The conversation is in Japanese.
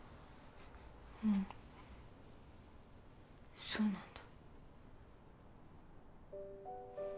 うんそうなんだ。